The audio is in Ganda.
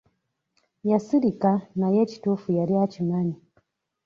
Yasirika naye ekituufu yali akimanyi.